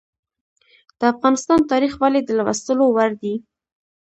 د افغانستان تاریخ ولې د لوستلو وړ دی؟